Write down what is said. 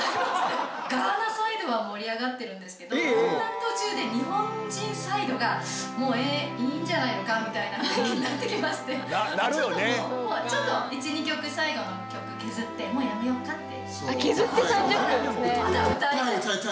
ガーナサイドは盛り上がってるんですけど一旦途中で日本人サイドがもういいんじゃないのかみたいな雰囲気になってきましてちょっと１２曲最後の曲削ってもうやめようかって。